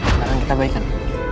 sekarang kita baikkan